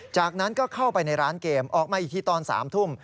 จากนั้นก็เข้าไปในร้านเกมออกมาอีกทีตอน๓ทุ่ม